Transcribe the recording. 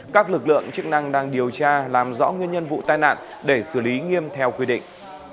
các lực lượng chức năng đang điều tra làm rõ nguyên nhân vụ tai nạn để xử lý nghiêm theo quy định